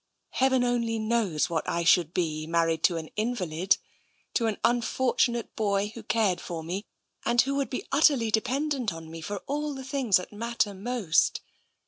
Heaven only knows what I should be, mar ried to an invalid, to an unfortunate boy who cared for me, and who would be utterly dependent on me for all the things that matter most.